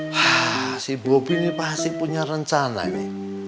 wah si bobi ini pasti punya rencana ini